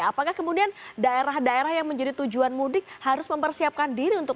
apakah kemudian daerah daerah yang menjadi tujuan mudik harus mempersiapkan diri untuk